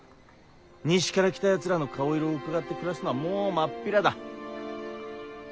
西から来たやつらの顔色をうかがって暮らすのはもう真っ平だ。